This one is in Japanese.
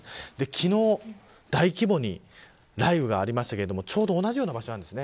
昨日、大規模に雷雨がありましたがちょうど同じような場所なんです。